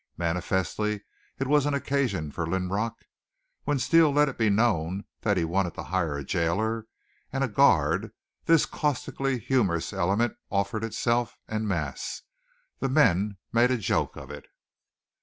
Manifestly it was an occasion for Linrock. When Steele let it be known that he wanted to hire a jailer and a guard this caustically humorous element offered itself en masse. The men made a joke out of it.